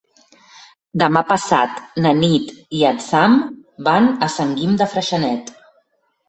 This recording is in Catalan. Demà passat na Nit i en Sam van a Sant Guim de Freixenet.